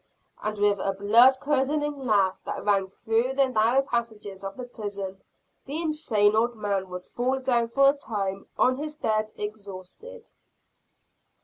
ha!" and with a blood curdling laugh that rang through the narrow passages of the prison, the insane old man would fall down for a time on his bed exhausted.